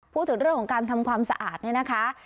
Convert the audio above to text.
พูดถึงเรื่องของการทำความสะอาดเนี่ยนะคะ